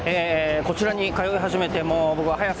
こちらに通い始めてもう僕は早３０年。